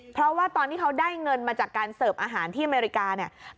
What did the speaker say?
เพราะว่าตอนที่เขาได้เงินมาจากการเสิร์ฟอาหารที่อเมริกาเนี่ย